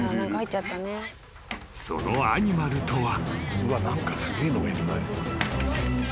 ［そのアニマルとは］